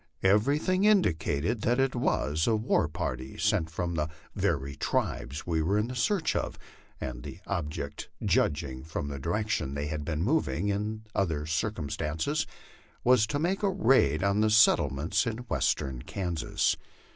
Everything indicated that it was a war party sent from the very tribes we were in search of, and the object, judging from the direc tion they had been moving, and other circumstances, was to make a raid on the settlements in Western Kansas.